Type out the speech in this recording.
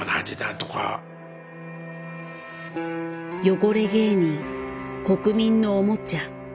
「汚れ芸人」「国民のおもちゃ」。